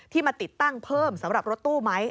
มาติดตั้งเพิ่มสำหรับรถตู้ไหม